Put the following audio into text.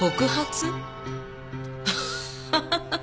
アハハハ。